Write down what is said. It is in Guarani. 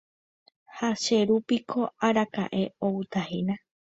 Ha che ru piko araka'e outahína.